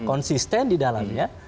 konsisten di dalamnya